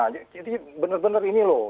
jadi benar benar ini loh